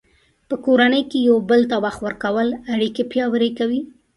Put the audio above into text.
په کورنۍ کې یو بل ته وخت ورکول اړیکې پیاوړې کوي.